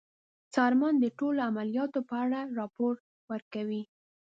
څارمن د ټولو عملیاتو په اړه راپور ورکوي.